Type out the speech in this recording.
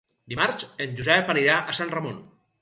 Dimarts en Josep anirà a Sant Ramon.